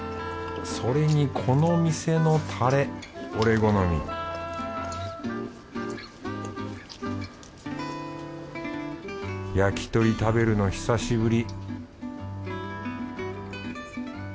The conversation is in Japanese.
それにこのお店のタレ俺好み焼き鳥食べるの久しぶり